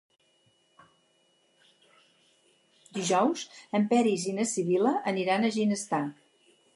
Dijous en Peris i na Sibil·la aniran a Ginestar.